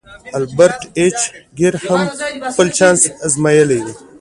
ایلبرټ ایچ ګیري هم خپل چانس ازمایلی و